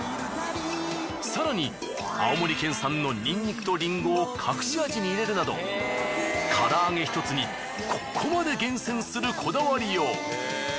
更に青森県産のにんにくとりんごを隠し味に入れるなど唐揚げひとつにここまで厳選するこだわりよう。